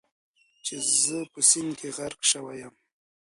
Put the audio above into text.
چې زه په سیند کې غرق شوی یم.